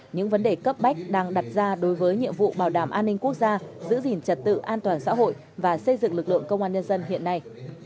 những vấn đề cấp bách đang đặt ra đối với nhiệm vụ bảo đảm an ninh quốc gia giữ gìn trật tự an toàn xã hội và xây dựng lực lượng công an nhân dân hiện nay